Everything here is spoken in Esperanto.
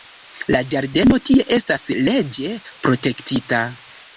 La ĝardeno tie estas leĝe protektita.